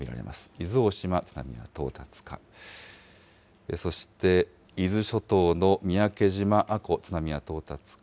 伊豆大島、津波は到達か。